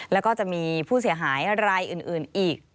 แล้วก็จะมีผู้เสียหายรายอื่นอีก